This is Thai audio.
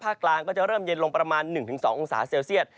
กลางก็จะเริ่มเย็นลงประมาณ๑๒องศาเซลเซียต